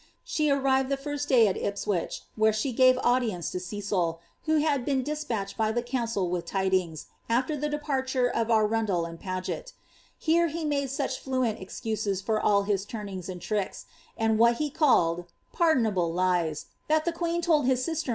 She arrived the first day at Ipswich, where she gave audience to Cecil, who had been despatched by the council wiiii tidings, after the departure of Arundel and Paget; here he mad* such fluent excuses for all his turnings and tricks, and what he called *' pardonable lies,'" that the queen told his sister in law, Mr?.